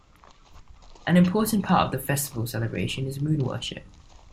An important part of the festival celebration is moon worship.